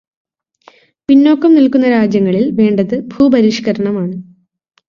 പിന്നോക്കം നിൽക്കുന്ന രാജ്യങ്ങളിൽ വേണ്ടത് ഭൂപരിഷ്കരണമാണ്.